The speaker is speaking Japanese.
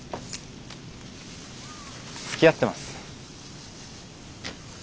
つきあってます。